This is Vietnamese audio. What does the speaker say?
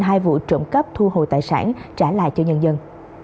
hai vụ trộm cắp thu hồi tài sản trả lại cho nhân dân